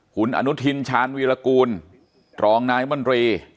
คุณอนุทินชาญวีรกูลรองนายมนตรี